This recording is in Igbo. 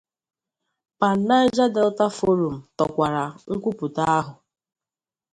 Pan Niger Delta Forum tokwara Nkwupụta ahụ.